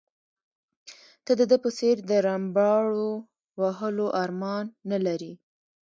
ته د ده په څېر د رمباړو وهلو ارمان نه لرې.